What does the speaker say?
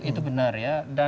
itu benar ya